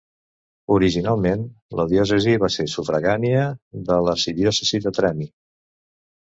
Originalment, la diòcesi va ser sufragània de l'arxidiòcesi de Trani.